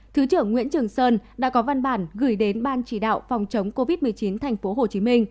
thứ trưởng nguyễn trường sơn đã có văn bản gửi đến ban chỉ đạo phòng chống covid một mươi chín tp hcm